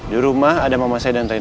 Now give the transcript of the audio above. di rumah ada mama saya dan ibu saya